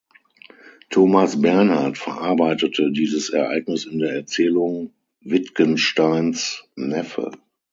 Thomas Bernhard verarbeitete dieses Ereignis in der Erzählung "Wittgensteins Neffe".